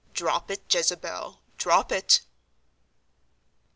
Drop it, Jezebel! drop it!"